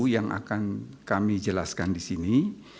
yang akan kami jelaskan di sini